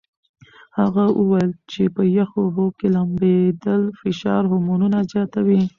هغه وویل چې په یخو اوبو کې لامبېدل فشار هورمونونه زیاتوي.